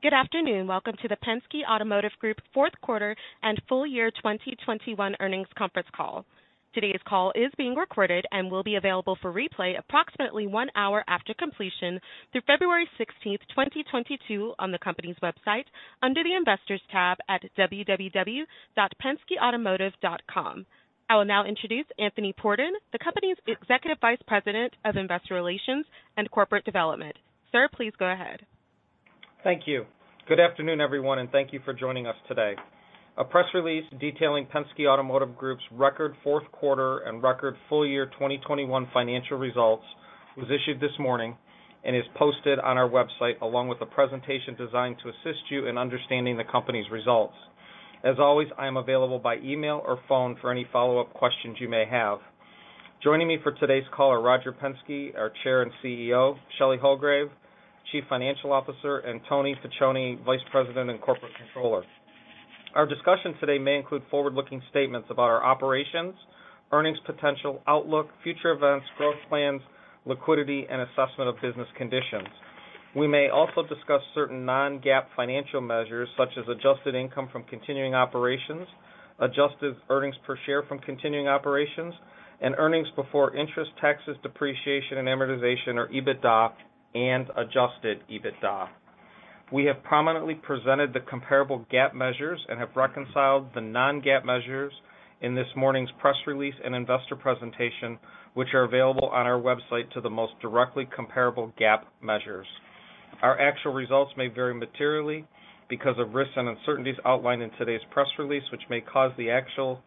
Good afternoon. Welcome to the Penske Automotive Group fourth quarter and full year 2021 earnings conference call. Today's call is being recorded and will be available for replay approximately one hour after completion through February 16th, 2022 on the company's website under the Investors tab at www.penskeautomotive.com. I will now introduce Tony Pordon, the company's Executive Vice President of Investor Relations and Corporate Development. Sir, please go ahead. Thank you. Good afternoon, everyone, and thank you for joining us today. A press release detailing Penske Automotive Group's record fourth quarter and record full year 2021 financial results was issued this morning and is posted on our website, along with a presentation designed to assist you in understanding the company's results. As always, I am available by email or phone for any follow-up questions you may have. Joining me for today's call are Roger Penske, our Chair and CEO, Shelley Hulgrave, Chief Financial Officer, and Tony Facione, Vice President and Corporate Controller. Our discussion today may include forward-looking statements about our operations, earnings potential, outlook, future events, growth plans, liquidity, and assessment of business conditions. We may also discuss certain non-GAAP financial measures such as adjusted income from continuing operations, adjusted earnings per share from continuing operations, and earnings before interest, taxes, depreciation, and amortization or EBITDA and adjusted EBITDA. We have prominently presented the comparable GAAP measures and have reconciled the non-GAAP measures in this morning's press release and investor presentation, which are available on our website to the most directly comparable GAAP measures. Our actual results may vary materially because of risks and uncertainties outlined in today's press release, which may cause the actual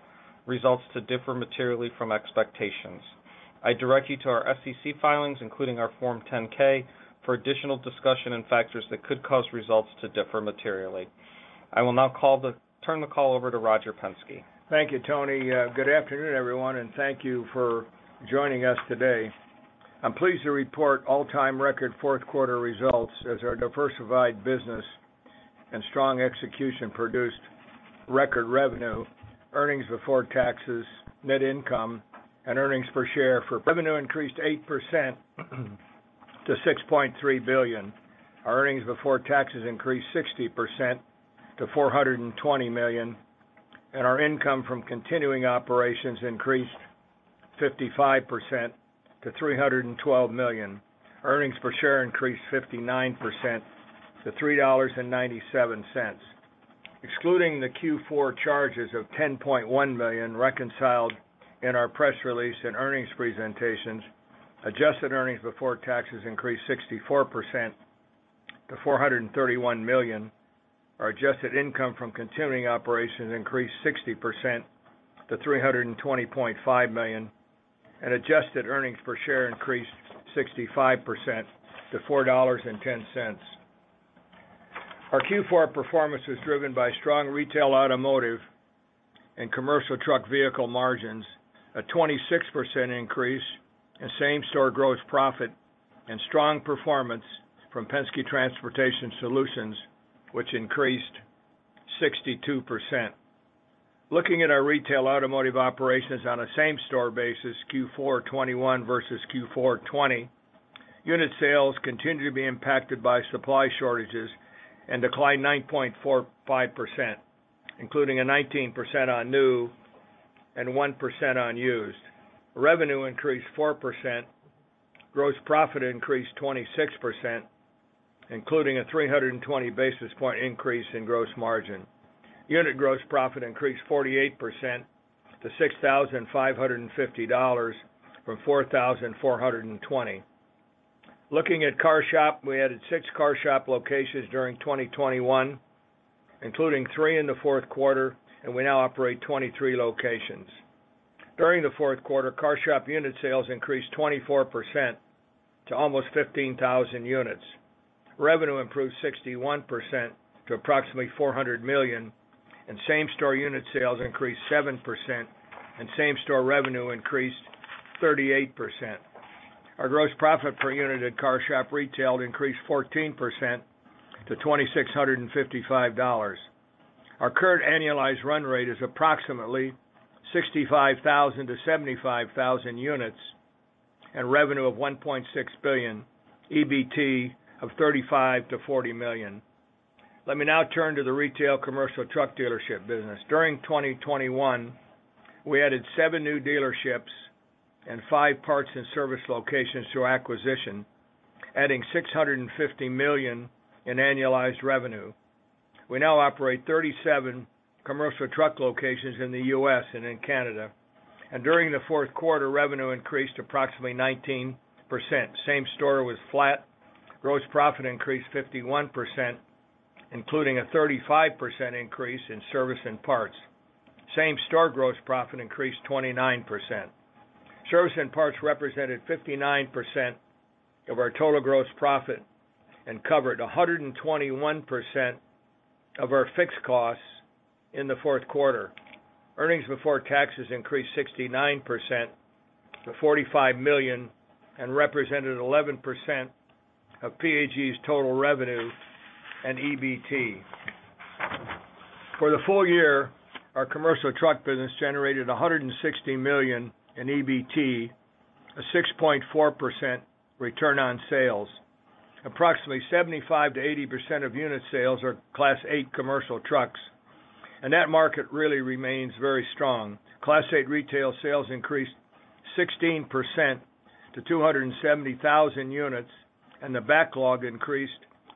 results to differ materially from expectations. I direct you to our SEC filings, including our Form 10-K, for additional discussion and factors that could cause results to differ materially. I will now turn the call over to Roger Penske. Thank you, Tony. Good afternoon, everyone, and thank you for joining us today. I'm pleased to report all-time record fourth quarter results as our diversified business and strong execution produced record revenue, earnings before taxes, net income, and earnings per share. Our revenue increased 8% to $6.3 billion. Our earnings before taxes increased 60% to $420 million, and our income from continuing operations increased 55% to $312 million. Earnings per share increased 59% to $3.97. Excluding the Q4 charges of $10.1 million reconciled in our press release and earnings presentations, adjusted earnings before taxes increased 64% to $431 million. Our adjusted income from continuing operations increased 60% to $320.5 million, and adjusted earnings per share increased 65% to $4.10. Our Q4 performance was driven by strong retail automotive and commercial truck vehicle margins, a 26% increase in same-store gross profit and strong performance from Penske Transportation Solutions, which increased 62%. Looking at our retail automotive operations on a same-store basis, Q4 2021 versus Q4 2020, unit sales continued to be impacted by supply shortages and declined 9.45%, including a 19% on new and 1% on used. Revenue increased 4%. Gross profit increased 26%, including a 320 basis point increase in gross margin. Unit gross profit increased 48% to $6,550 from $4,420. Looking at CarShop, we added six CarShop locations during 2021, including three in the fourth quarter, and we now operate 23 locations. During the fourth quarter, CarShop unit sales increased 24% to almost 15,000 units. Revenue improved 61% to approximately $400 million, and same-store unit sales increased 7%, and same-store revenue increased 38%. Our gross profit per unit at CarShop retail increased 14% to $2,655. Our current annualized run rate is approximately 65,000-75,000 units and revenue of $1.6 billion, EBT of $35 million-$40 million. Let me now turn to the retail commercial truck dealership business. During 2021, we added seven new dealerships and five parts and service locations through acquisition, adding $650 million in annualized revenue. We now operate 37 commercial truck locations in the U.S. and in Canada. During the fourth quarter, revenue increased approximately 19%. Same-store was flat. Gross profit increased 51%, including a 35% increase in service and parts. Same-store gross profit increased 29%. Service and parts represented 59% of our total gross profit and covered 121% of our fixed costs in the fourth quarter. Earnings before taxes increased 69% to $45 million and represented 11% of PAG's total revenue and EBT. For the full year, our commercial truck business generated $160 million in EBT, a 6.4% return on sales. Approximately 75%-80% of unit sales are Class 8 commercial trucks, and that market really remains very strong. Class 8 retail sales increased 16% to 270,000 units, and the backlog increased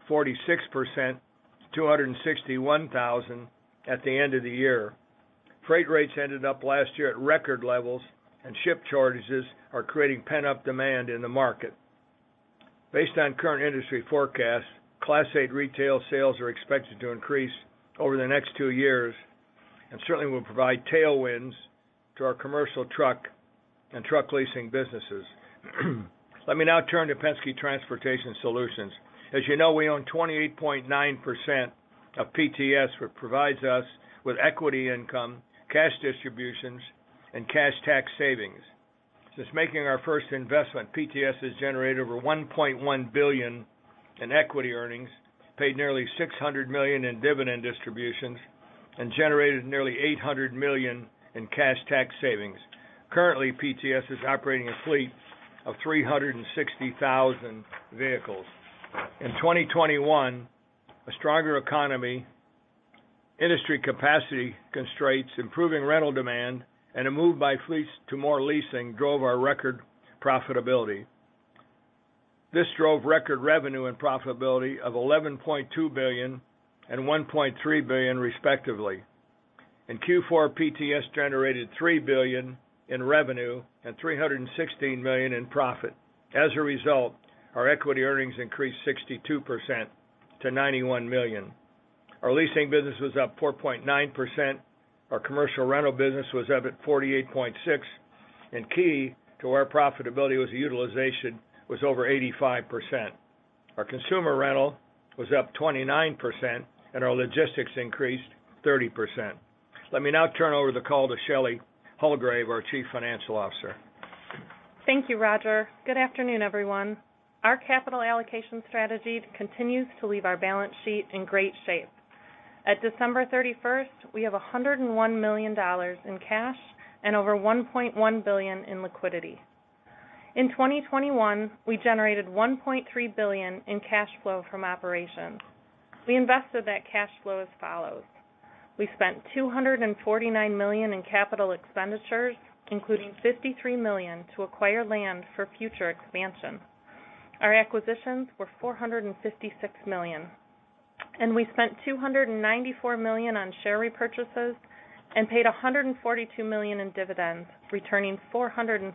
46%, 261,000 at the end of the year. Freight rates ended up last year at record levels and ship charges are creating pent-up demand in the market. Based on current industry forecasts, Class 8 retail sales are expected to increase over the next two years and certainly will provide tailwinds to our commercial truck and truck leasing businesses. Let me now turn to Penske Transportation Solutions. As you know, we own 28.9% of PTS, which provides us with equity income, cash distributions, and cash tax savings. Since making our first investment, PTS has generated over $1.1 billion in equity earnings, paid nearly $600 million in dividend distributions, and generated nearly $800 million in cash tax savings. Currently, PTS is operating a fleet of 360,000 vehicles. In 2021, a stronger economy, industry capacity constraints, improving rental demand, and a move by fleets to more leasing drove our record profitability. This drove record revenue and profitability of $11.2 billion and $1.3 billion, respectively. In Q4, PTS generated $3 billion in revenue and $316 million in profit. As a result, our equity earnings increased 62% to $91 million. Our leasing business was up 4.9%. Our commercial rental business was up 48.6%, and key to our profitability was utilization over 85%. Our consumer rental was up 29%, and our logistics increased 30%. Let me now turn over the call to Shelley Hulgrave, our Chief Financial Officer. Thank you, Roger. Good afternoon, everyone. Our capital allocation strategy continues to leave our balance sheet in great shape. At December 31st, we have $101 million in cash and over $1.1 billion in liquidity. In 2021, we generated $1.3 billion in cash flow from operations. We invested that cash flow as follows. We spent $249 million in capital expenditures, including $53 million to acquire land for future expansion. Our acquisitions were $456 million, and we spent $294 million on share repurchases and paid $142 million in dividends, returning $436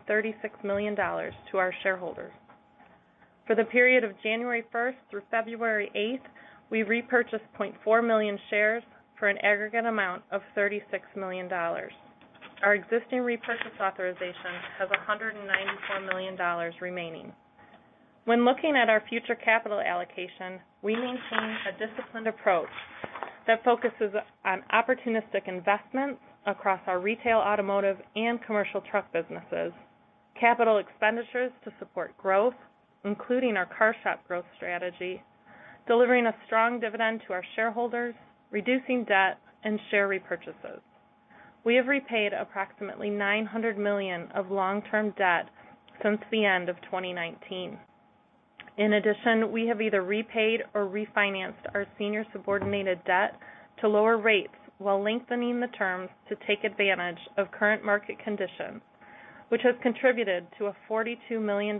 million to our shareholders. For the period of January 1st through February 8th, we repurchased 0.4 million shares for an aggregate amount of $36 million. Our existing repurchase authorization has $194 million remaining. When looking at our future capital allocation, we maintain a disciplined approach that focuses on opportunistic investments across our retail, automotive, and commercial truck businesses, capital expenditures to support growth, including our CarShop growth strategy, delivering a strong dividend to our shareholders, reducing debt, and share repurchases. We have repaid approximately $900 million of long-term debt since the end of 2019. In addition, we have either repaid or refinanced our senior subordinated debt to lower rates while lengthening the terms to take advantage of current market conditions, which has contributed to a $42 million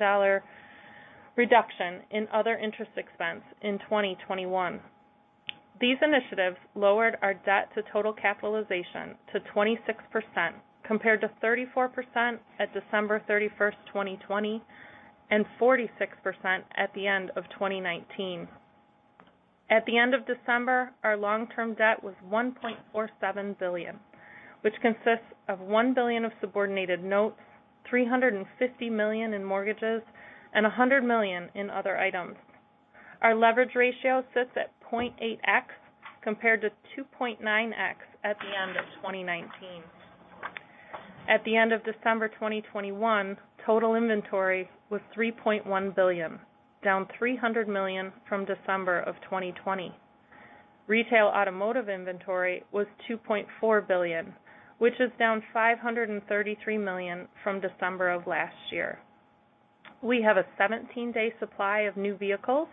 reduction in other interest expense in 2021. These initiatives lowered our debt to total capitalization to 26%, compared to 34% at December 31st, 2020, and 46% at the end of 2019. At the end of December, our long-term debt was $1.47 billion, which consists of $1 billion of subordinated notes, $350 million in mortgages, and $100 million in other items. Our leverage ratio sits at 0.8x, compared to 2.9x at the end of 2019. At the end of December 2021, total inventory was $3.1 billion, down $300 million from December of 2020. Retail automotive inventory was $2.4 billion, which is down $533 million from December of last year. We have a 17-day supply of new vehicles.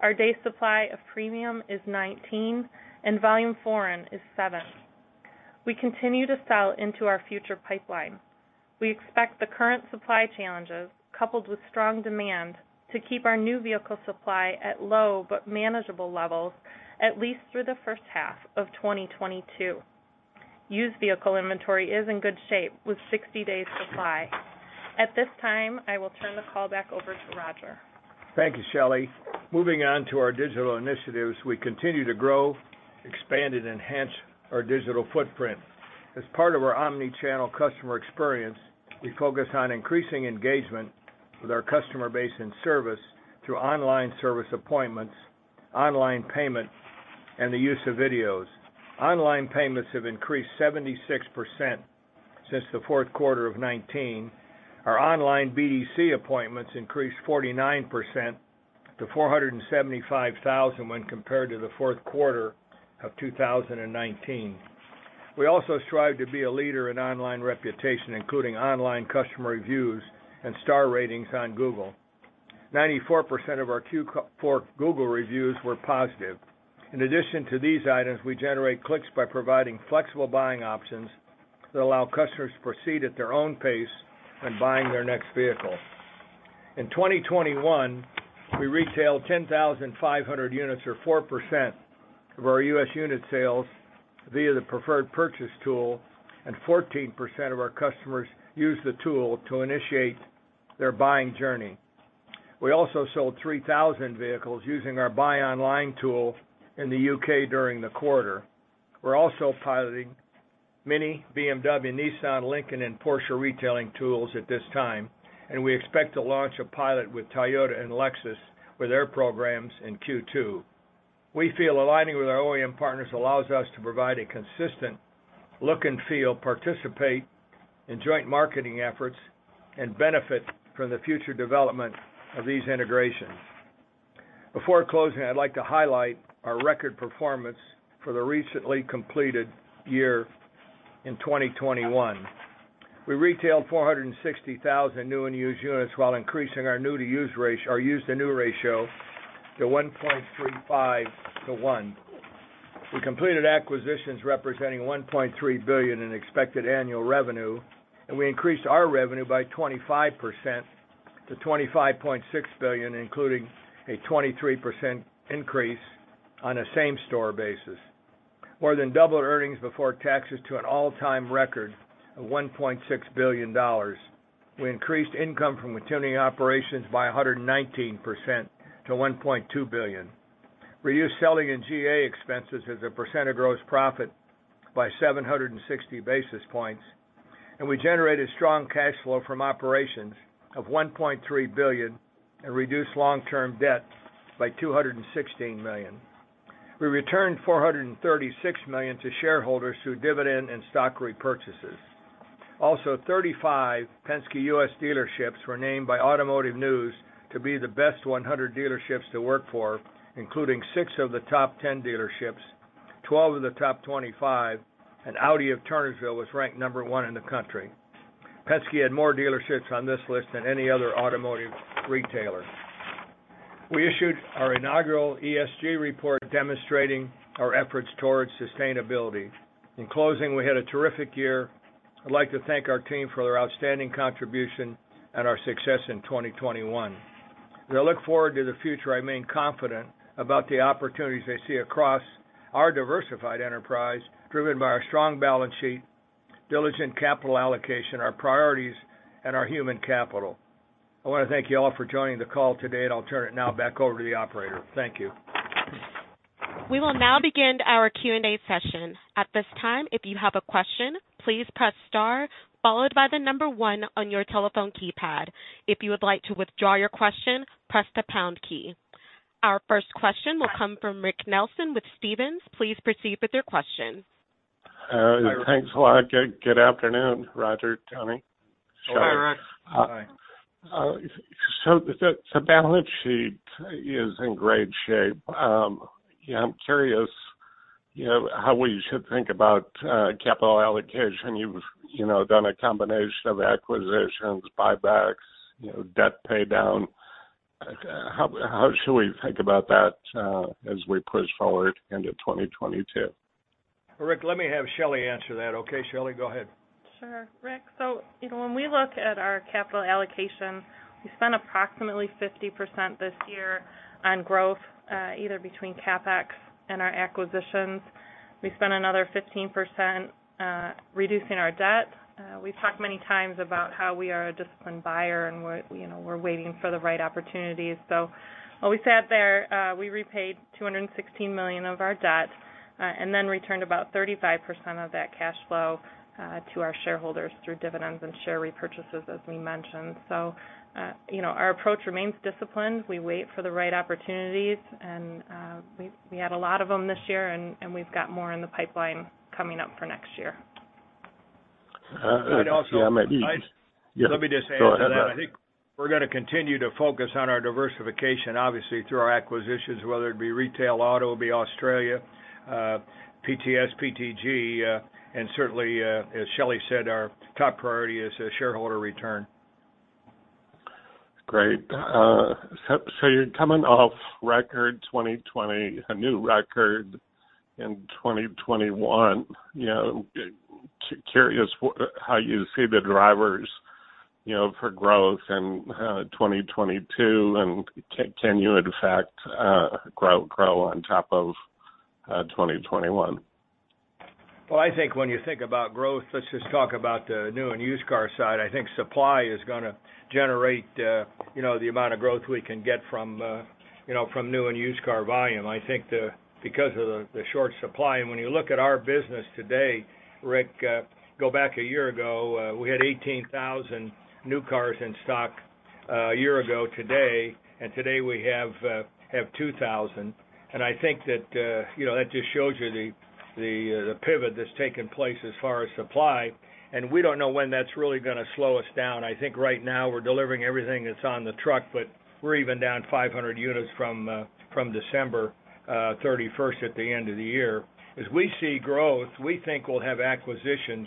Our day supply of premium is 19, and volume foreign is seven. We continue to sell into our future pipeline. We expect the current supply challenges, coupled with strong demand, to keep our new vehicle supply at low but manageable levels at least through the first half of 2022. Used vehicle inventory is in good shape with 60 days supply. At this time, I will turn the call back over to Roger. Thank you, Shelley. Moving on to our digital initiatives. We continue to grow, expand, and enhance our digital footprint. As part of our omni-channel customer experience, we focus on increasing engagement with our customer base and service through online service appointments, online payment, and the use of videos. Online payments have increased 76% since the fourth quarter of 2019. Our online BDC appointments increased 49% to 475,000 when compared to the fourth quarter of 2019. We also strive to be a leader in online reputation, including online customer reviews and star ratings on Google. 94% of our Q4 Google reviews were positive. In addition to these items, we generate clicks by providing flexible buying options that allow customers to proceed at their own pace when buying their next vehicle. In 2021, we retailed 10,500 units or 4% of our U.S. unit sales via the Preferred Purchase tool, and 14% of our customers used the tool to initiate their buying journey. We also sold 3,000 vehicles using our buy online tool in the U.K. during the quarter. We're also piloting MINI, BMW, Nissan, Lincoln, and Porsche retailing tools at this time, and we expect to launch a pilot with Toyota and Lexus with their programs in Q2. We feel aligning with our OEM partners allows us to provide a consistent look and feel, participate in joint marketing efforts, and benefit from the future development of these integrations. Before closing, I'd like to highlight our record performance for the recently completed year in 2021. We retailed 460,000 new and used units while increasing our new to used ratio, our used to new ratio to 1.35 to 1. We completed acquisitions representing $1.3 billion in expected annual revenue, and we increased our revenue by 25% to $25.6 billion, including a 23% increase on a same store basis. More than doubled earnings before taxes to an all-time record of $1.6 billion. We increased income from continuing operations by 119% to $1.2 billion. Reduced selling and G&A expenses as a percent of gross profit by 760 basis points. We generated strong cash flow from operations of $1.3 billion and reduced long-term debt by $216 million. We returned $436 million to shareholders through dividend and stock repurchases. Thirty-five Penske U.S. dealerships were named by Automotive News to be the best 100 dealerships to work for, including six of the top 10 dealerships, 12 of the top 25, and Audi Turnersville was ranked number one in the country. Penske had more dealerships on this list than any other automotive retailer. We issued our inaugural ESG report demonstrating our efforts towards sustainability. In closing, we had a terrific year. I'd like to thank our team for their outstanding contribution and our success in 2021. As I look forward to the future, I remain confident about the opportunities I see across our diversified enterprise, driven by our strong balance sheet, diligent capital allocation, our priorities, and our human capital. I wanna thank you all for joining the call today, and I'll turn it now back over to the operator. Thank you. We will now begin our Q&A session. At this time, if you have a question, please press star followed by the number one on your telephone keypad. If you would like to withdraw your question, press the pound key. Our first question will come from Rick Nelson with Stephens. Please proceed with your question. Thanks a lot. Good afternoon, Roger, Tony. Hi, Rick. Hi. The balance sheet is in great shape. Yeah, I'm curious, you know, how we should think about capital allocation. You've you know done a combination of acquisitions, buybacks, you know, debt pay down. How should we think about that as we push forward into 2022? Rick, let me have Shelley answer that. Okay, Shelley, go ahead. Sure. Rick, so, you know, when we look at our capital allocation, we spent approximately 50% this year on growth, either between CapEx and our acquisitions. We spent another 15%, reducing our debt. We've talked many times about how we are a disciplined buyer and we're, you know, waiting for the right opportunities. We repaid $216 million of our debt, and then returned about 35% of that cash flow to our shareholders through dividends and share repurchases, as we mentioned. You know, our approach remains disciplined. We wait for the right opportunities and we had a lot of them this year and we've got more in the pipeline coming up for next year. Yeah, I'm at ease. I'd also- Yes, go ahead. Let me just add to that. I think we're gonna continue to focus on our diversification, obviously, through our acquisitions, whether it be retail auto in Australia, PTS, PTG, and certainly, as Shelley said, our top priority is shareholder return. Great. So you're coming off record 2020, a new record in 2021. You know, curious for how you see the drivers, you know, for growth in 2022 and can you in fact grow on top of 2021? Well, I think when you think about growth, let's just talk about the new and used car side. I think supply is gonna generate, you know, the amount of growth we can get from, you know, from new and used car volume. I think, because of the short supply, and when you look at our business today, Rick, go back a year ago, we had 18,000 new cars in stock a year ago today, and today we have 2,000. I think that, you know, that just shows you the pivot that's taken place as far as supply. We don't know when that's really gonna slow us down. I think right now we're delivering everything that's on the truck, but we're even down 500 units from December thirty-first, at the end of the year. As we see growth, we think we'll have acquisitions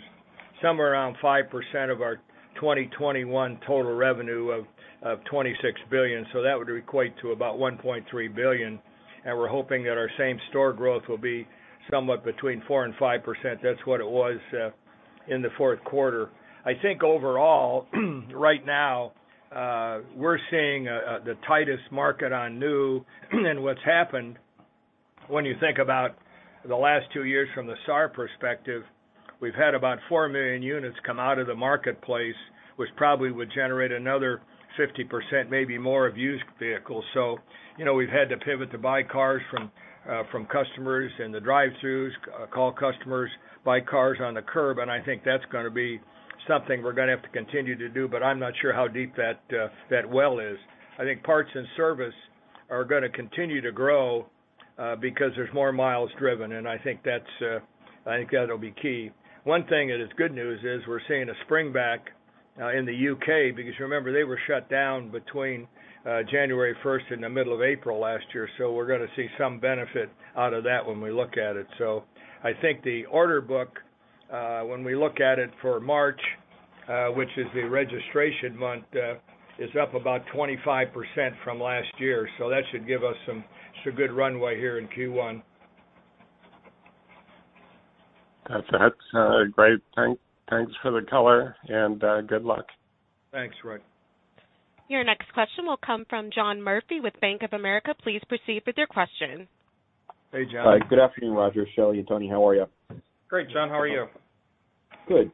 somewhere around 5% of our 2021 total revenue of $26 billion. So that would equate to about $1.3 billion. We're hoping that our same store growth will be somewhat between 4%-5%. That's what it was in the fourth quarter. I think overall, right now, we're seeing the tightest market on new. What's happened when you think about the last two years from the SAR perspective, we've had about 4 million units come out of the marketplace, which probably would generate another 50%, maybe more of used vehicles. You know, we've had to pivot to buy cars from customers in the drive-throughs, call customers, buy cars on the curb, and I think that's gonna be something we're gonna have to continue to do, but I'm not sure how deep that well is. I think parts and service are gonna continue to grow because there's more miles driven, and I think that'll be key. One thing that is good news is we're seeing a spring back in the U.K., because remember, they were shut down between January first and the middle of April last year. We're gonna see some benefit out of that when we look at it. I think the order book, when we look at it for March, which is the registration month, is up about 25% from last year. That should give us some good runway here in Q1. That's great. Thanks for the color and good luck. Thanks, Tony. Your next question will come from John Murphy with Bank of America. Please proceed with your question. Hey, John. Hi. Good afternoon, Roger, Shelley, and Tony. How are you? Great, John. How are you? Good.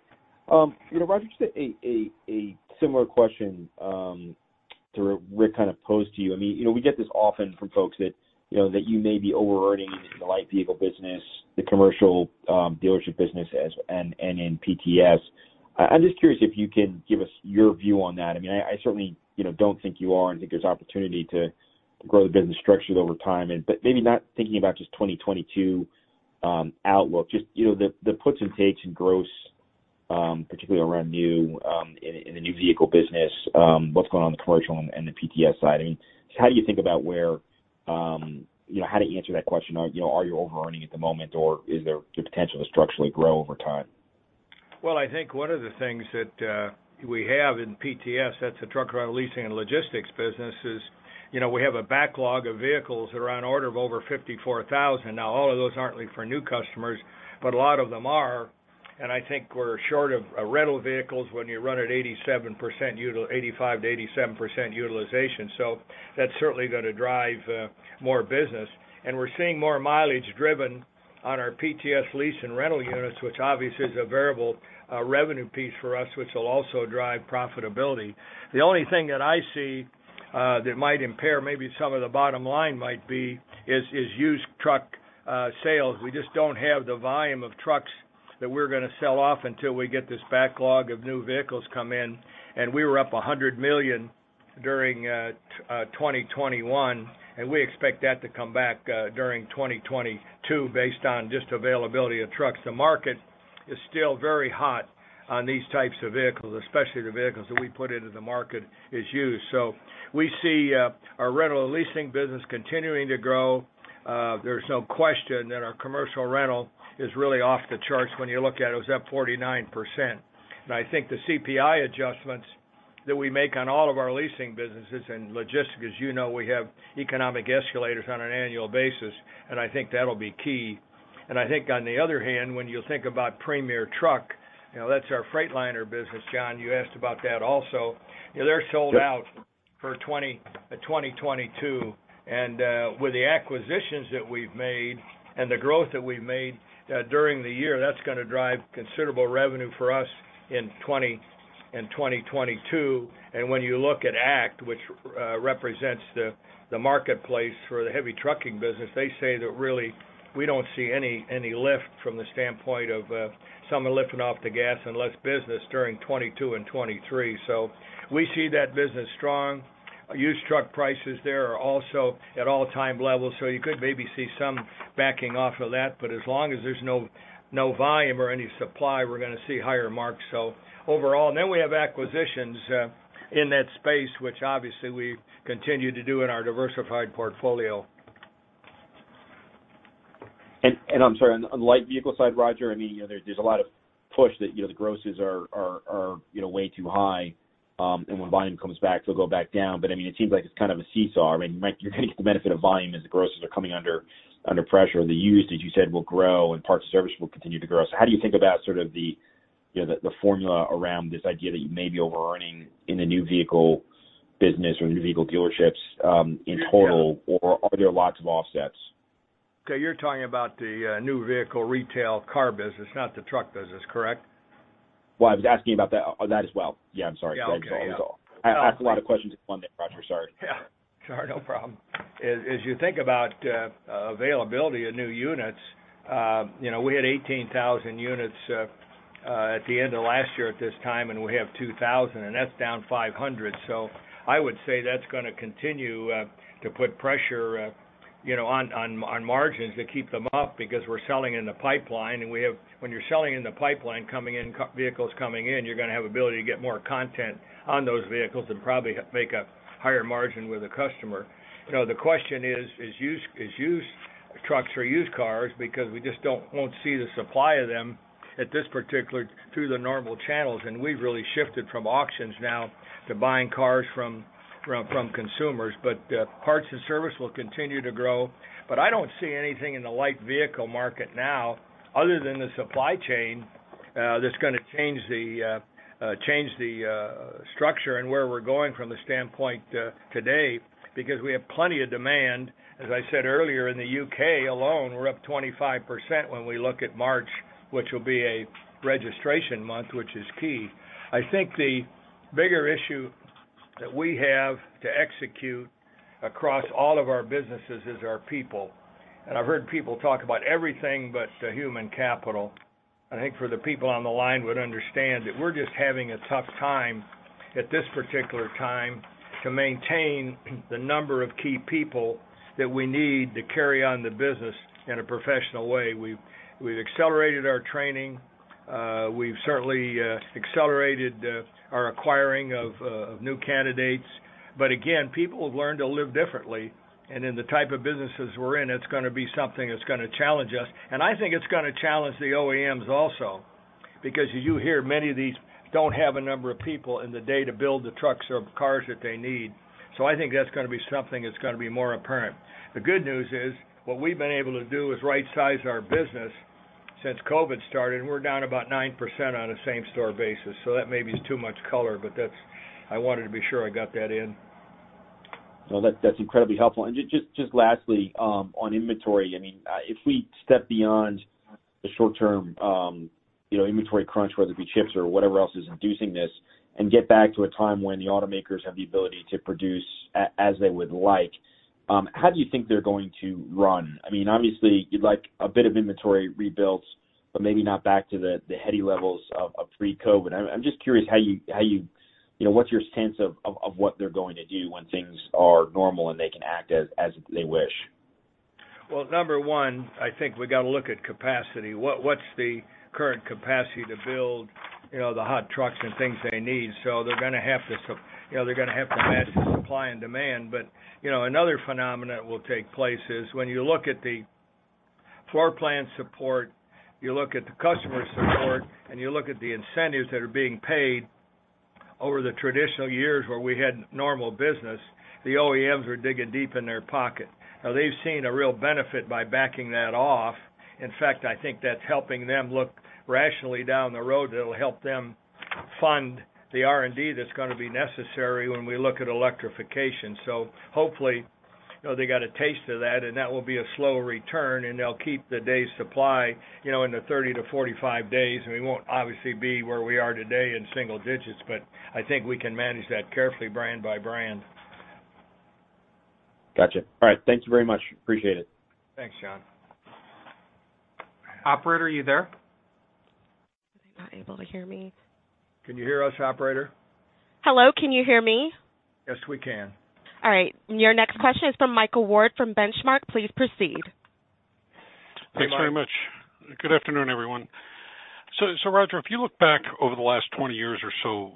You know, Roger, just a similar question to what Rick kind of posed to you. I mean, you know, we get this often from folks that you know that you may be overearning in the light vehicle business, the commercial dealership business as and in PTS. I'm just curious if you can give us your view on that. I mean, I certainly you know don't think you are, and I think there's opportunity to grow the business structures over time. Maybe not thinking about just 2022 outlook, just you know, the puts and takes in gross, particularly around new in the new vehicle business, what's going on in the commercial and the PTS side. I mean, just how do you think about where, you know, how do you answer that question? Are you know, are you overearning at the moment, or is there the potential to structurally grow over time? Well, I think one of the things that we have in PTS, that's the truck rental leasing and logistics business, is, you know, we have a backlog of vehicles that are on order of over 54,000. Now, all of those aren't for new customers, but a lot of them are. I think we're short of rental vehicles when you run at 85%-87% utilization. That's certainly gonna drive more business. We're seeing more mileage driven on our PTS lease and rental units, which obviously is a variable revenue piece for us, which will also drive profitability. The only thing that I see that might impair maybe some of the bottom line might be is used truck sales. We just don't have the volume of trucks that we're gonna sell off until we get this backlog of new vehicles come in. We were up $100 million during 2021, and we expect that to come back during 2022, based on just availability of trucks. The market is still very hot on these types of vehicles, especially the vehicles that we put into the market as used. We see our rental and leasing business continuing to grow. There's no question that our commercial rental is really off the charts when you look at it. It was up 49%. I think the CPI adjustments that we make on all of our leasing businesses and logistics, as you know, we have economic escalators on an annual basis, and I think that'll be key. I think on the other hand, when you think about Premier Truck, you know, that's our Freightliner business, John, you asked about that also. You know, they're sold out for 2022. With the acquisitions that we've made and the growth that we've made during the year, that's gonna drive considerable revenue for us in 2022. When you look at ACT, which represents the marketplace for the heavy trucking business, they say that really we don't see any lift from the standpoint of someone lifting off the gas and less business during 2022 and 2023. So we see that business strong. Used truck prices there are also at all-time levels, so you could maybe see some backing off of that. But as long as there's no volume or any supply, we're gonna see higher marks. Overall, we have acquisitions in that space, which obviously we continue to do in our diversified portfolio. I'm sorry, on the light vehicle side, Roger, I mean, you know, there's a lot of push that, you know, the grosses are way too high, and when volume comes back, they'll go back down. But I mean, it seems like it's kind of a seesaw. I mean, you're gonna get the benefit of volume as the grosses are coming under pressure. The used, as you said, will grow and parts and service will continue to grow. How do you think about sort of the, you know, the formula around this idea that you may be overearning in the new vehicle business or new vehicle dealerships, in total, or are there lots of offsets? Okay. You're talking about the new vehicle retail car business, not the truck business, correct? Well, I was asking about that. That as well. Yeah, I'm sorry. Yeah, okay. Yeah. I ask a lot of questions in one day, Roger, sorry. Sure, no problem. As you think about availability of new units, you know, we had 18,000 units at the end of last year at this time, and we have 2,000 units, and that's down 500 units. I would say that's gonna continue to put pressure, you know, on margins to keep them up because we're selling in the pipeline, and when you're selling in the pipeline, vehicles coming in, you're gonna have ability to get more content on those vehicles and probably make a higher margin with the customer. You know, the question is used trucks or used cars because we just won't see the supply of them at this particular time through the normal channels. We've really shifted from auctions now to buying cars from consumers. Parts and service will continue to grow. I don't see anything in the light vehicle market now other than the supply chain that's gonna change the structure and where we're going from the standpoint today, because we have plenty of demand. As I said earlier, in the U.K. alone, we're up 25% when we look at March, which will be a registration month, which is key. I think the bigger issue that we have to execute across all of our businesses is our people. I've heard people talk about everything but the human capital. I think the people on the line would understand that we're just having a tough time at this particular time to maintain the number of key people that we need to carry on the business in a professional way. We've accelerated our training. We've certainly accelerated our acquiring of new candidates. People have learned to live differently. In the type of businesses we're in, it's gonna be something that's gonna challenge us. I think it's gonna challenge the OEMs also because you hear many of these don't have a number of people today to build the trucks or cars that they need. I think that's gonna be something that's gonna be more apparent. The good news is, what we've been able to do is right-size our business since COVID started, and we're down about 9% on a same-store basis. That maybe is too much color, but that's. I wanted to be sure I got that in. No, that's incredibly helpful. Just lastly, on inventory, I mean, if we step beyond the short term, you know, inventory crunch, whether it be chips or whatever else is inducing this, and get back to a time when the automakers have the ability to produce as they would like, how do you think they're going to run? I mean, obviously you'd like a bit of inventory rebuilt, but maybe not back to the heady levels of pre-COVID. I'm just curious how you know, what's your sense of what they're going to do when things are normal, and they can act as they wish? Well, number one, I think we got to look at capacity. What's the current capacity to build, you know, the hot trucks and things they need? They're gonna have to, you know, match the supply and demand. You know, another phenomenon that will take place is when you look at the floor plan support, you look at the customer support, and you look at the incentives that are being paid over the traditional years where we had normal business, the OEMs are digging deep in their pocket. Now, they've seen a real benefit by backing that off. In fact, I think that's helping them look rationally down the road that'll help them fund the R&D that's gonna be necessary when we look at electrification. Hopefully, you know, they got a taste of that, and that will be a slow return, and they'll keep the day supply, you know, in the 30-45 days. We won't obviously be where we are today in single digits, but I think we can manage that carefully brand by brand. Gotcha. All right. Thank you very much. Appreciate it. Thanks, John. Operator, are you there? Are they not able to hear me? Can you hear us, operator? Hello, can you hear me? Yes, we can. All right. Your next question is from Michael Ward from Benchmark. Please proceed. Hi, Mike. Thanks very much. Good afternoon, everyone. Roger, if you look back over the last 20 years or so,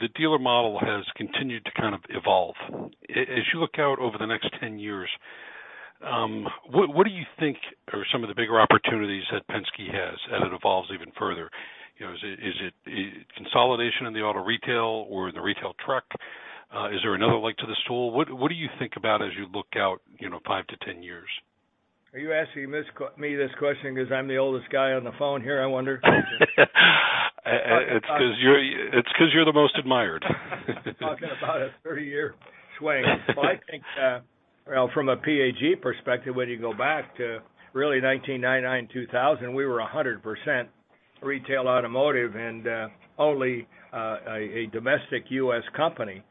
the dealer model has continued to kind of evolve. As you look out over the next 10 years, what do you think are some of the bigger opportunities that Penske has as it evolves even further? You know, is it consolidation in the auto retail or the retail truck? Is there another leg to the stool? What do you think about as you look out, you know, 5-10 years? Are you asking me this question 'cause I'm the oldest guy on the phone here, I wonder? It's 'cause you're the most admired. Talking about a 30-year swing. I think from a PAG perspective, when you go back to really 1999, 2000, we were 100% retail automotive and only a domestic U.S. company.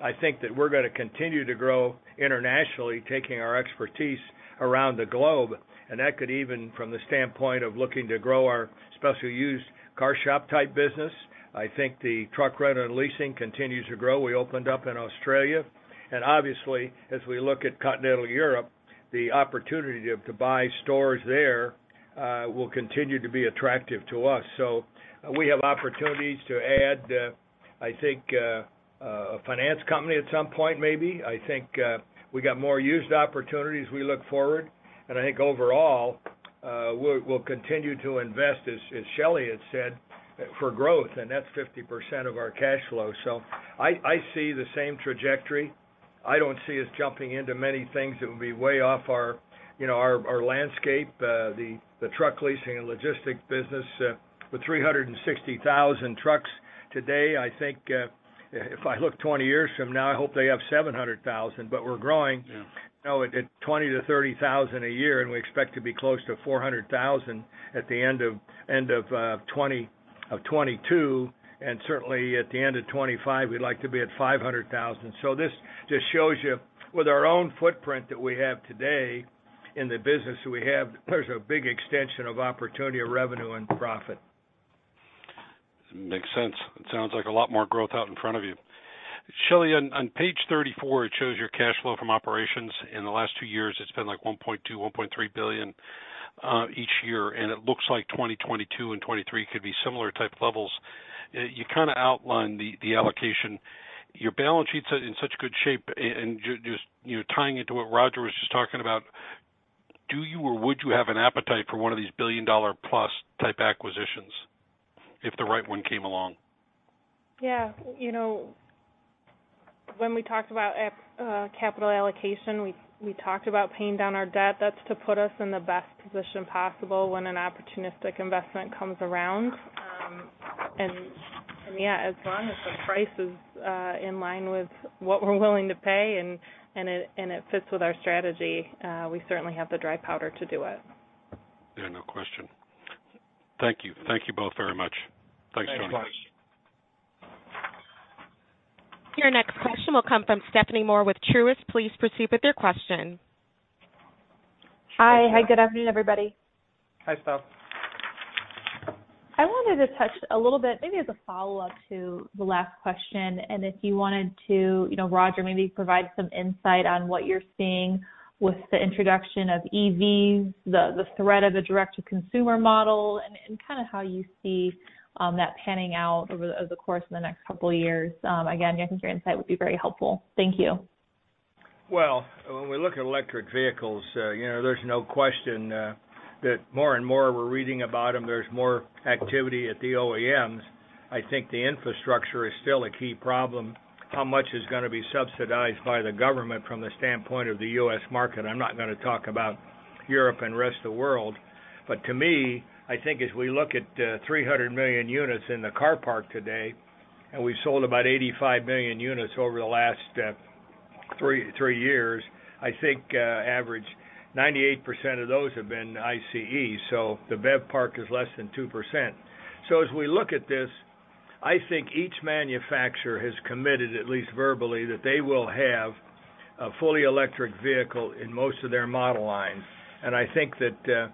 I think that we're gonna continue to grow internationally, taking our expertise around the globe, and that could even from the standpoint of looking to grow our CarShop type business. I think the truck rental and leasing continues to grow. We opened up in Australia. Obviously, as we look at continental Europe, the opportunity to buy stores there will continue to be attractive to us. We have opportunities to add, I think, a finance company at some point, maybe. I think we got more used opportunities we look forward, and I think overall, we'll continue to invest, as Shelley had said, for growth, and that's 50% of our cash flow. I see the same trajectory. I don't see us jumping into many things that would be way off our, you know, our landscape, the truck leasing and logistics business, with 360,000 trucks today. I think if I look 20 years from now, I hope they have 700,000, but we're growing. Yeah. You know, at 20,000-30,000 a year, and we expect to be close to 400,000 at the end of 2022, and certainly at the end of 2025, we'd like to be at 500,000. This just shows you with our own footprint that we have today in the business that we have, there's a big extension of opportunity, revenue, and profit. Makes sense. It sounds like a lot more growth out in front of you. Shelley, on page 34, it shows your cash flow from operations in the last two years. It's been like $1.2 billion, $1.3 billion each year, and it looks like 2022 and 2023 could be similar type levels. You kinda outlined the allocation. Your balance sheet's in such good shape. Just, you know, tying it to what Roger was just talking about, do you or would you have an appetite for one of these billion-dollar plus type acquisitions if the right one came along? Yeah. You know, when we talked about capital allocation, we talked about paying down our debt. That's to put us in the best position possible when an opportunistic investment comes around. Yeah, as long as the price is in line with what we're willing to pay and it fits with our strategy, we certainly have the dry powder to do it. Yeah, no question. Thank you. Thank you both very much. Thanks, John. Thanks, Mike. Your next question will come from Stephanie Moore with Truist. Please proceed with your question. Hi. Hi, good afternoon, everybody. Hi, Steph. I wanted to touch a little bit, maybe as a follow-up to the last question, and if you wanted to, you know, Roger, maybe provide some insight on what you're seeing with the introduction of EVs, the threat of the direct-to-consumer model, and kinda how you see that panning out over the course of the next couple of years. Again, I think your insight would be very helpful. Thank you. Well, when we look at electric vehicles, you know, there's no question that more and more we're reading about them. There's more activity at the OEMs. I think the infrastructure is still a key problem. How much is gonna be subsidized by the government from the standpoint of the U.S. market? I'm not gonna talk about Europe and the rest of the world. But to me, I think as we look at 300 million units in the car park today, and we sold about 85 million units over the last three years, I think average 98% of those have been ICE. The BEV park is less than 2%. As we look at this, I think each manufacturer has committed, at least verbally, that they will have a fully electric vehicle in most of their model lines. I think that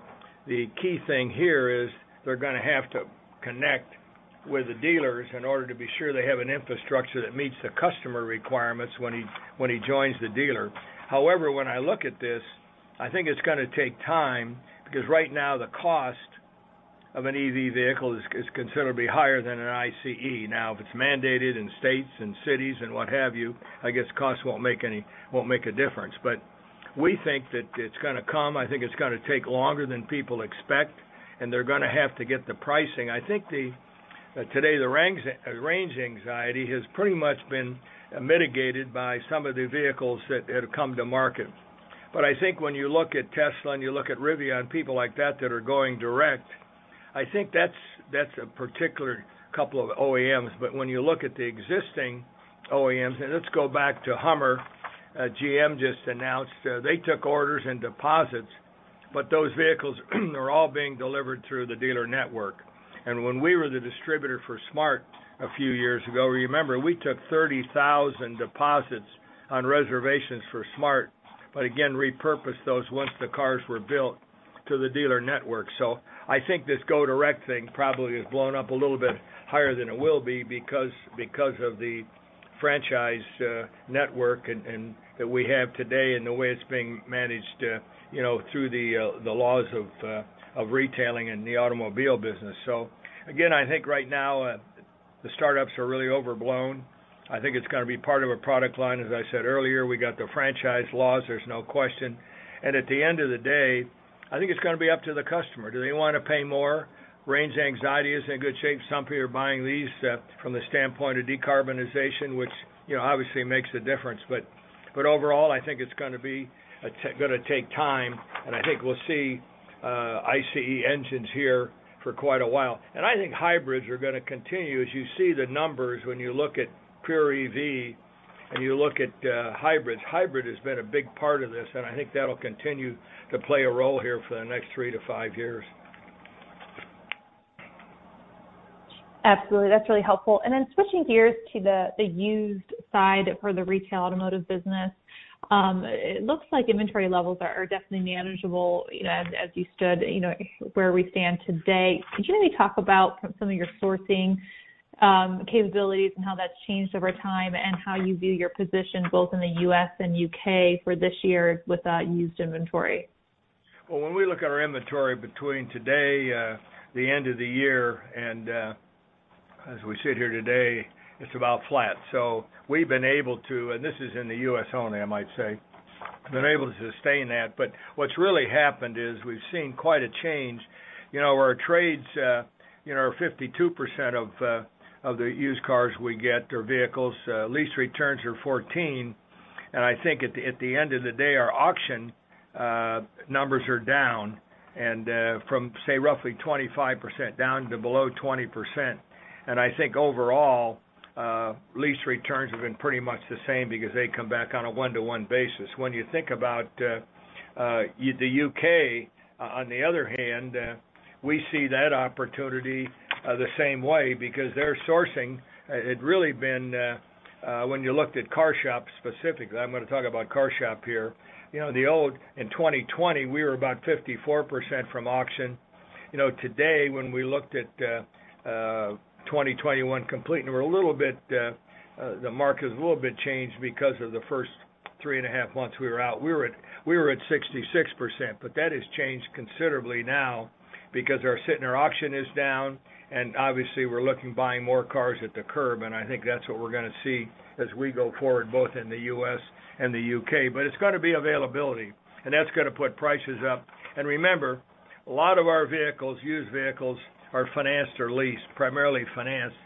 the key thing here is they're gonna have to connect with the dealers in order to be sure they have an infrastructure that meets the customer requirements when he joins the dealer. However, when I look at this, I think it's gonna take time because right now the cost of an EV vehicle is considerably higher than an ICE. Now, if it's mandated in states and cities and what have you, I guess costs won't make a difference. But we think that it's gonna come. I think it's gonna take longer than people expect, and they're gonna have to get the pricing. I think Today, the range anxiety has pretty much been mitigated by some of the vehicles that have come to market. I think when you look at Tesla and you look at Rivian, people like that that are going direct, I think that's a particular couple of OEMs. When you look at the existing OEMs, and let's go back to Hummer, GM just announced they took orders and deposits, but those vehicles are all being delivered through the dealer network. When we were the distributor for smart a few years ago, you remember we took 30,000 deposits on reservations for smart, but again, repurposed those once the cars were built to the dealer network. I think this go-direct thing probably has blown up a little bit higher than it will be because of the franchise network and that we have today and the way it's being managed, you know, through the laws of retailing in the automobile business. I think right now the startups are really overblown. I think it's gonna be part of a product line. As I said earlier, we got the franchise laws, there's no question. At the end of the day, I think it's gonna be up to the customer. Do they wanna pay more? Range anxiety is in good shape. Some people are buying these from the standpoint of decarbonization, which, you know, obviously makes a difference. Overall, I think it's gonna take time, and I think we'll see ICE engines here for quite a while. I think hybrids are gonna continue. As you see the numbers, when you look at pure EV and you look at hybrids, hybrid has been a big part of this, and I think that'll continue to play a role here for the next three to five years. Absolutely. That's really helpful. Switching gears to the used side for the retail automotive business, it looks like inventory levels are definitely manageable, you know, as we stand today. Could you maybe talk about some of your sourcing capabilities and how that's changed over time, and how you view your position both in the U.S. and U.K. for this year with used inventory? Well, when we look at our inventory between today, the end of the year and, as we sit here today, it's about flat. We've been able to sustain that, and this is in the U.S. only, I might say. What's really happened is we've seen quite a change. You know, our trades, you know, are 52% of the used cars we get or vehicles. Lease returns are 14%. I think at the end of the day, our auction numbers are down from, say, roughly 25% down to below 20%. I think overall, lease returns have been pretty much the same because they come back on a one-to-one basis. When you think about the U.K., on the other hand, we see that opportunity the same way because their sourcing had really been when you looked at CarShop specifically. I'm gonna talk about CarShop here. You know, in 2020, we were about 54% from auction. You know, today, when we looked at 2021 complete, the market has a little bit changed because of the first three and a half months we were out. We were at 66%. That has changed considerably now because our Sytner auction is down, and obviously, we're looking to buy more cars at the curb, and I think that's what we're gonna see as we go forward, both in the U.S. and the U.K. It's gonna be availability, and that's gonna put prices up. Remember, a lot of our vehicles, used vehicles are financed or leased, primarily financed.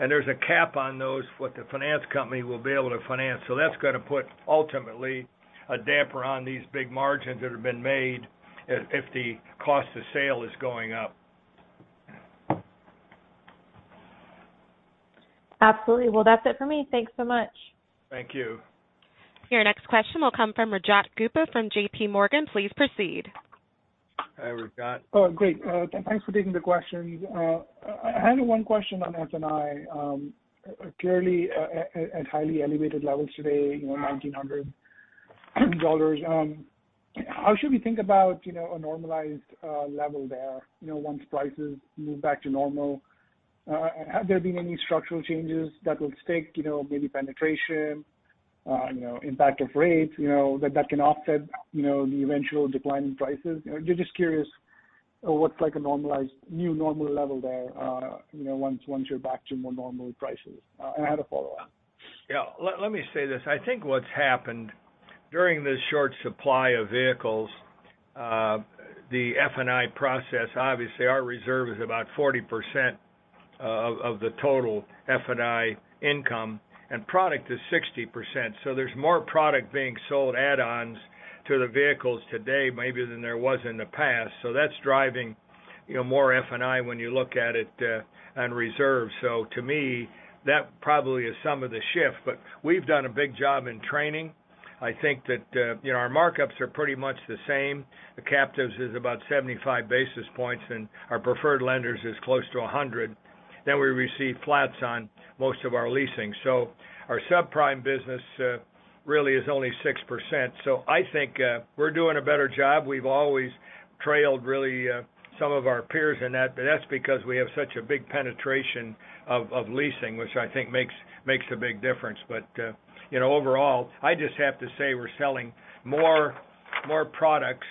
There's a cap on those what the finance company will be able to finance. That's gonna put ultimately a damper on these big margins that have been made if the cost of sale is going up. Absolutely. Well, that's it for me. Thanks so much. Thank you. Your next question will come from Rajat Gupta from JPMorgan. Please proceed. Hi, Rajat. Oh, great. Thanks for taking the questions. I had one question on F&I. Clearly at highly elevated levels today, you know, $1,900. How should we think about, you know, a normalized level there, you know, once prices move back to normal? Have there been any structural changes that will stick, you know, maybe penetration, you know, impact of rates, you know, that can offset, you know, the eventual decline in prices? You know, just curious what's like a normalized, new normal level there, you know, once you're back to more normal prices. I had a follow-up. Yeah. Let me say this. I think what's happened during this short supply of vehicles, the F&I process, obviously our reserve is about 40%, of the total F&I income, and product is 60%. So there's more product being sold add-ons to the vehicles today maybe than there was in the past. So that's driving, you know, more F&I when you look at it, on reserve. So to me, that probably is some of the shift, but we've done a big job in training. I think that, you know, our markups are pretty much the same. The captives is about 75 basis points, and our preferred lenders is close to 100 basis points. Then we receive flats on most of our leasing. So our subprime business really is only 6%. So I think, we're doing a better job. We've always trailed really some of our peers in that, but that's because we have such a big penetration of leasing, which I think makes a big difference. You know, overall, I just have to say we're selling more products,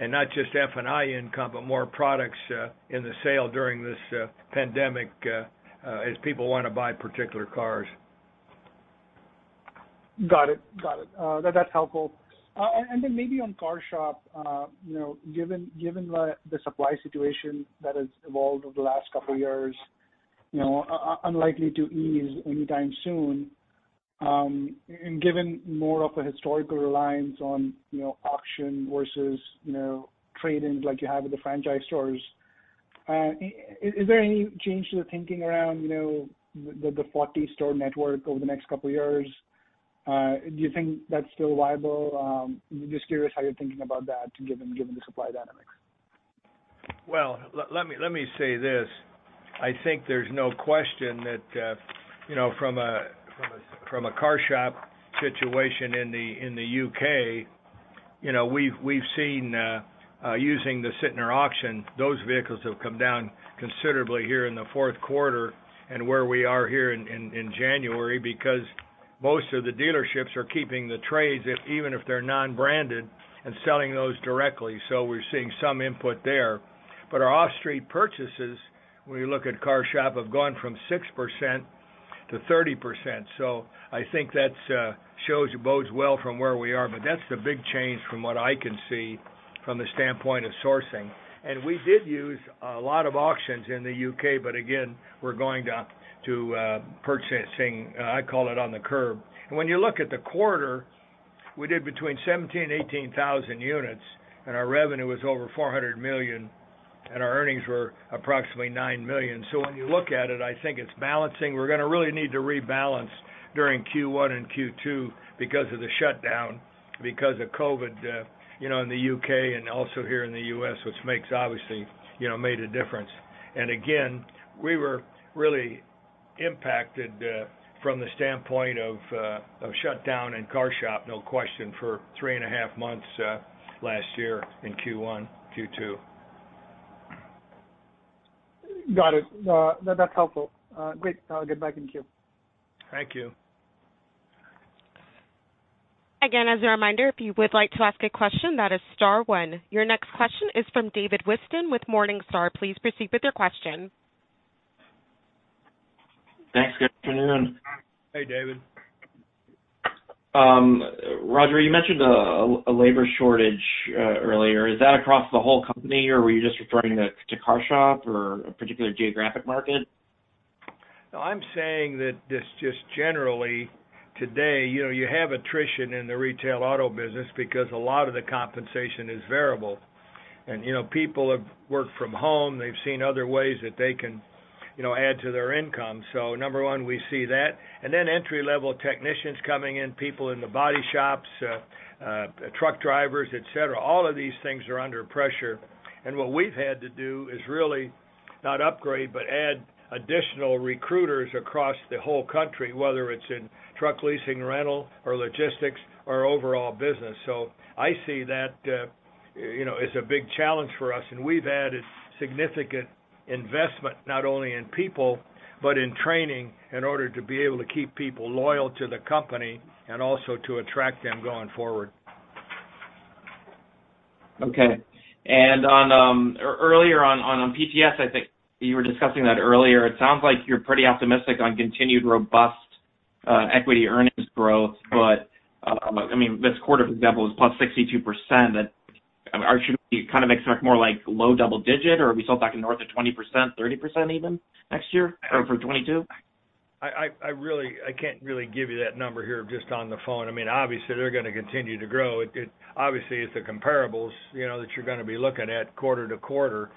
and not just F&I income, but more products in the sale during this pandemic, as people wanna buy particular cars. Got it. That's helpful. Maybe on CarShop, you know, given the supply situation that has evolved over the last couple years, you know, unlikely to ease anytime soon, and given more of a historical reliance on, you know, auction versus, you know, trade-ins like you have with the franchise stores, is there any change to the thinking around, you know, the 40-store network over the next couple years? Do you think that's still viable? Just curious how you're thinking about that given the supply dynamics. Well, let me say this. I think there's no question that, you know, from a CarShop situation in the U.K., you know, we've seen using the Sytner Auction, those vehicles have come down considerably here in the fourth quarter and where we are here in January because most of the dealerships are keeping the trades if even if they're non-branded and selling those directly. We're seeing some input there. Our off-street purchases, when you look at CarShop, have gone from 6% to 30%. I think that shows it bodes well from where we are, but that's the big change from what I can see from the standpoint of sourcing. We did use a lot of auctions in the U.K., but again, we're going to purchasing, I call it on the curb. When you look at the quarter, we did between 17,000-18,000 units, and our revenue was over $400 million, and our earnings were approximately $9 million. When you look at it, I think it's balancing. We're gonna really need to rebalance during Q1 and Q2 because of the shutdown, because of COVID, you know, in the U.K. and also here in the U.S., which makes obviously, you know, made a difference. We were really impacted from the standpoint of shutdown in CarShop, no question, for three and a half months last year in Q1, Q2. Got it. That's helpful. Great. I'll get back in queue. Thank you. Again, as a reminder, if you would like to ask a question, that is star one. Your next question is from David Whiston with Morningstar. Please proceed with your question. Thanks. Good afternoon. Hey, David. Roger, you mentioned a labor shortage earlier. Is that across the whole company, or were you just referring to it CarShop or a particular geographic market? No, I'm saying that this just generally, today, you know, you have attrition in the retail auto business because a lot of the compensation is variable. You know, people have worked from home, they've seen other ways that they can, you know, add to their income. Number one, we see that. Entry-level technicians coming in, people in the body shops, truck drivers, et cetera, all of these things are under pressure. What we've had to do is really not upgrade, but add additional recruiters across the whole country, whether it's in truck leasing rental or logistics or overall business. I see that, you know, as a big challenge for us. We've added significant investment, not only in people, but in training in order to be able to keep people loyal to the company and also to attract them going forward. Okay. On earlier on PTS, I think you were discussing that earlier. It sounds like you're pretty optimistic on continued robust equity earnings growth. I mean, this quarter, for example, is +62% or should we kind of expect more like low double digit or we saw back in north of 20%, 30% even next year or for 2022? I really can't really give you that number here just on the phone. I mean, obviously they're gonna continue to grow. Obviously, it's the comparables, you know, that you're gonna be looking at quarter to quarter.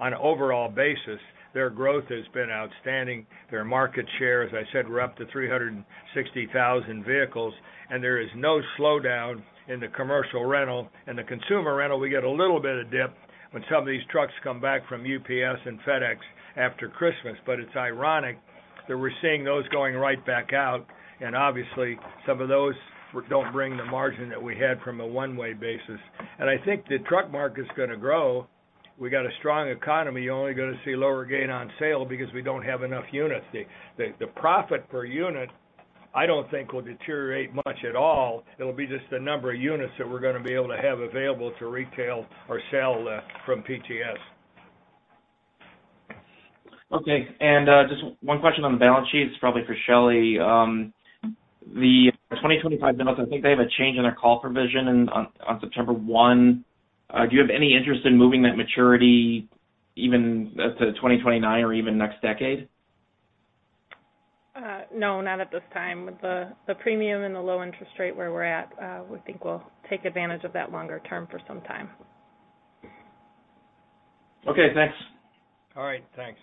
On an overall basis, their growth has been outstanding. Their market share, as I said, we're up to 360,000 vehicles, and there is no slowdown in the commercial rental. In the consumer rental, we get a little bit of dip when some of these trucks come back from UPS and FedEx after Christmas. It's ironic that we're seeing those going right back out, and obviously, some of those don't bring the margin that we had from a one-way basis. I think the truck market is gonna grow. We got a strong economy. You're only gonna see lower gain on sale because we don't have enough units. The profit per unit, I don't think will deteriorate much at all. It'll be just the number of units that we're gonna be able to have available to retail or sell from PTS. Okay. Just one question on the balance sheet. It's probably for Shelley. The 2025 notes, I think they have a change in their call provision on September 1. Do you have any interest in moving that maturity even to 2029 or even next decade? No, not at this time. The premium and the low interest rate where we're at, we think we'll take advantage of that longer term for some time. Okay, thanks. All right, thanks.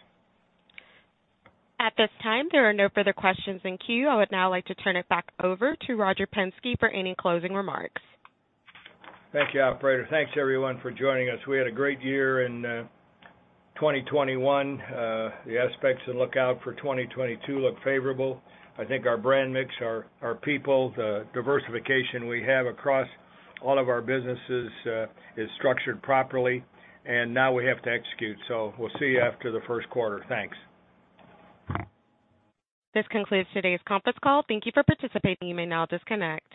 At this time, there are no further questions in queue. I would now like to turn it back over to Roger Penske for any closing remarks. Thank you, operator. Thanks everyone for joining us. We had a great year in 2021. The aspects to look out for 2022 look favorable. I think our brand mix, our people, the diversification we have across all of our businesses, is structured properly, and now we have to execute. We'll see you after the first quarter. Thanks. This concludes today's conference call. Thank you for participating. You may now disconnect.